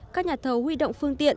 các nhà thầu huy động phương tiện